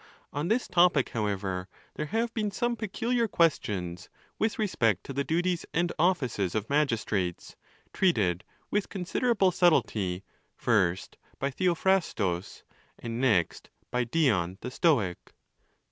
On this topic, however, there have been some peculiar questions with respect to the duties and offices of magistrates, treated with considerable subtlety, first by Theophrastus, and next by Dion the Stoic.